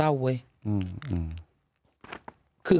แบบนี้